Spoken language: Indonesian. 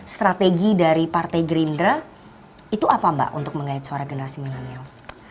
strategi dari partai gerindra itu apa mbak untuk mengait suara generasi milenials